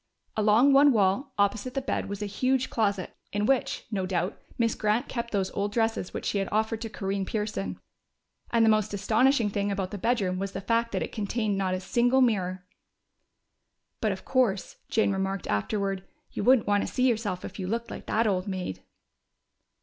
Along one wall, opposite the bed, was a huge closet, in which, no doubt, Miss Grant kept those old dresses which she had offered to Corinne Pearson. And the most astonishing thing about the bedroom was the fact that it contained not a single mirror! ("But, of course," Jane remarked afterward, "you wouldn't want to see yourself if you looked like that old maid!")